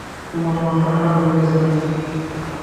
তোমার মাথা খারাপ হয়ে গেছে নাকি।